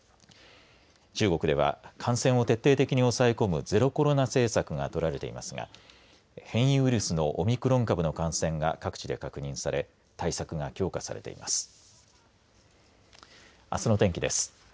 中国では感染を徹底的に抑え込むゼロコロナ政策が取られていますが変異ウイルスのオミクロン株の感染が各地で確認され対策が強化されています。